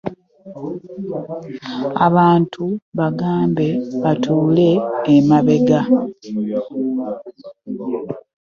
Abantu bagambe batuule emabega.